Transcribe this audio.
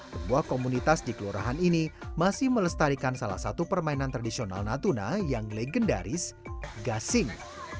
sebuah komunitas di kelurahan ini masih melestarikan salah satu permainan tradisional natuna yang legendaris gasing